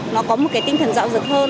nó có một cái tinh thần rạo rực hơn